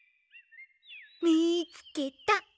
みつけた！